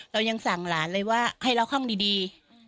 เรายังสั่งหลานเลยว่าให้เราเข้าดี